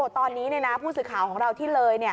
ตอนนี้ผู้สื่อข่าวของเราที่เลย